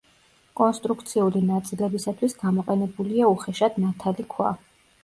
კონსტრუქციული ნაწილებისათვის გამოყენებულია უხეშად ნათალი ქვა.